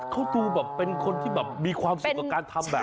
เขาดูแบบเป็นคนที่แบบมีความสุขกับการทำแบบ